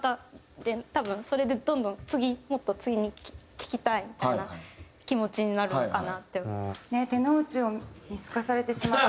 多分それでどんどん次もっと次聴きたいみたいな気持ちになるのかなって。